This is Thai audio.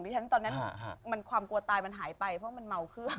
ฉันตอนนั้นความกลัวตายมันหายไปเพราะมันเมาขึ้น